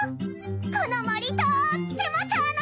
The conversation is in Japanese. この森とっても楽しい！